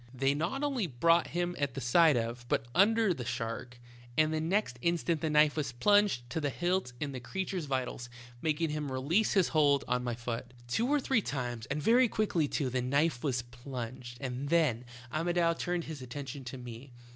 They not only brought him at the side of, but under the shark, and the next instant the knife was plunged to the hilt in the ereature's vitals, making him release his hold on my foot. "Two or three times, and very quickly too, the knife was plunged, and then Amodou turned his attention to me.